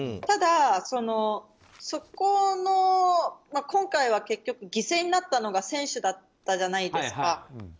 ただ、今回は結局、犠牲になったのが選手だったじゃないですか。